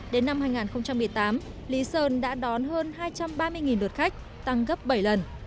đến năm hai nghìn một mươi tám lý sơn đã đón hơn hai trăm ba mươi lượt khách tăng gấp bảy lần